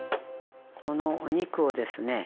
このお肉をですね